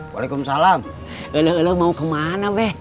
waalaikumsalam elok elok mau kemana weh